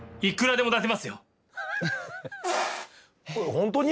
本当に？